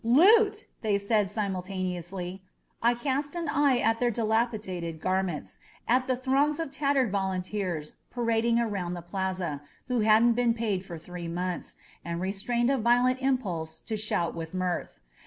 "Loot!" they said simultaneously. I cast an eye at their dilapidated garments, at the throngs of tattered volunteers parading around the plaza, who hadn't been paid for three months, and restrained a violent impulse to shout with mirth.